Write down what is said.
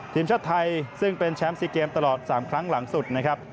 ทีมชาติไทยซึ่งเป็นแชมป์๔เกมตลอด๓ครั้งหลังสุดนะครับ